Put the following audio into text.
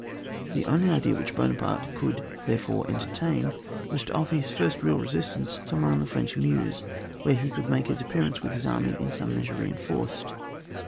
The only idea which Buonaparte could therefore entertain was to offer his first real resistance some where on the French Mouse, where he could make his appearance with his army in some measure reinforced.